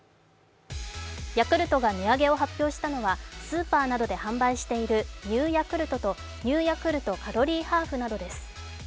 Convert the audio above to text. ヤクルトが値上げを発表したのはスーパーなどで販売しているＮｅｗヤクルトと、Ｎｅｗヤクルトカロリーハーフなどです。